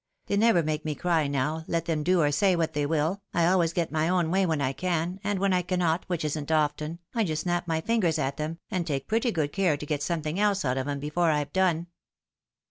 They never make me cry now, let them do or say what they will. I always get my own way when I can, and when I cannot, which isn't often, I just snap my fingers at them, and take pretty good care to get something else out of 'em before I've done."